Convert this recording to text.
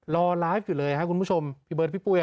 รอไลฟ์อยู่เลยครับคุณผู้ชมพี่เบิร์ดพี่ปุ้ย